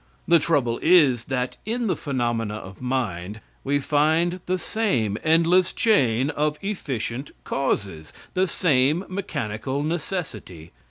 The trouble is, that in the phenomena of mind we find the same endless chain of efficient causes; the same mechanical necessity.